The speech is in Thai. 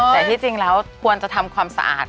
แต่ที่จริงแล้วควรจะทำความสะอาด